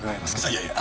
いやいや。